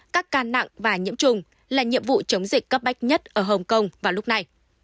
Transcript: các ca nặng và nhiễm trùng là nhiệm vụ chống dịch cấp bách nhất ở hồng kông vào lúc này